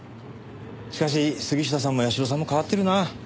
しかし杉下さんも社さんも変わってるな。